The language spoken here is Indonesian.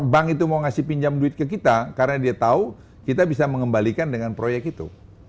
bank itu mau ngasih pinjam duit ke kita karena dia tahu kita bisa mengembalikan dengan proyek itu